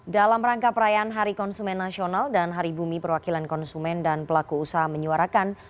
dalam rangka perayaan hari konsumen nasional dan hari bumi perwakilan konsumen dan pelaku usaha menyuarakan